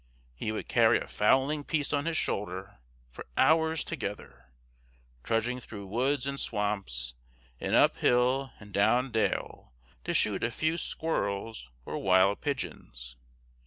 He would carry a fowling piece on his shoulder, for hours together, trudging through woods and swamps, and up hill and down dale, to shoot a few squirrels or wild pigeons.